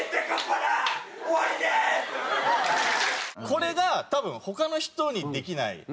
これが多分他の人にできない。